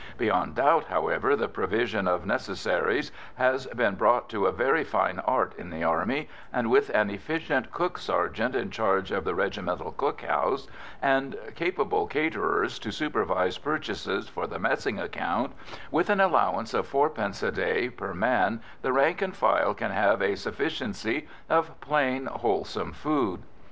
Beyond doubt, however, the provision of necessaries has been brought to a very fine art in the Army, and, with an efficient cook sergeant in charge of the regimental cookhouses, and capable caterers to supervise purchases for the messing account, with an allowance of fourpence a day per man the rank and file can have a sufficiency of plain, wholesome food.